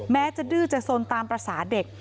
แม้จะดื้อจะสนตามภาษาเด็ก